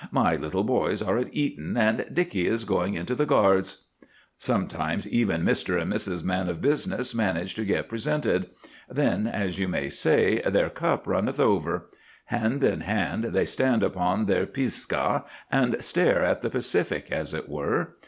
My little boys are at Eton, and Dickie is going into the Guards." Sometimes even Mr. and Mrs. Man of Business manage to get presented. Then, as you may say, their cup runneth over; hand in hand they stand upon their Pisgah and stare at the Pacific as it were.